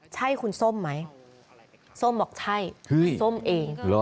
ใช่คุณส้มไหมส้มบอกใช่ส้มเอง